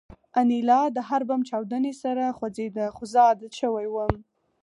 انیلا د هر بم چاودنې سره خوځېده خو زه عادت شوی وم